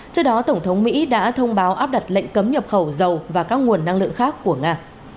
trước đó tổng thống mỹ đã thông báo áp đặt lệnh cấm nhập khẩu dầu và các nguồn năng lượng khác của nga